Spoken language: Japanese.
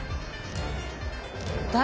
誰？